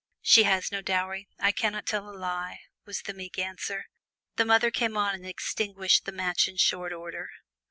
"She has no dowry! I can not tell a lie," was the meek answer. The mother came on and extinguished the match in short order.